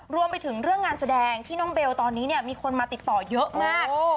รวมไปถึงเรื่องงานแสดงที่น้องเบลตอนนี้เนี่ยมีคนมาติดต่อเยอะมาก